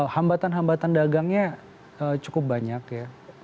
hambatan hambatan dagangnya cukup banyak ya